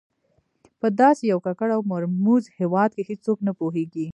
په داسې یو ککړ او مرموز هېواد کې هېڅوک نه پوهېږي.